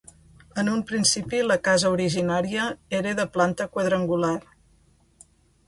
En un principi la casa originària era de planta quadrangular.